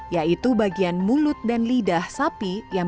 yaitu bagian mulut dan lidah sapi yang biasa dikonsumsi